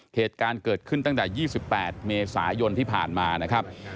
เหตุการณ์เกิดขึ้นตั้งแต่๒๘เมษายนที่ผ่านมานะครับ